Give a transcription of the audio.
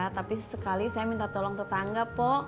tapi sekali saya minta tolong tetangga pok